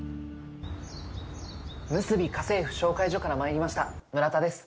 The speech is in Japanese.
むすび家政婦紹介所から参りました村田です。